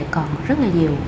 còn rất là nhiều